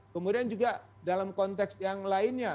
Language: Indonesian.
kemudian juga dalam konteks yang lainnya